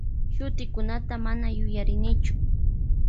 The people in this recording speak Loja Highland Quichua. Shutikunata mana yarinichu.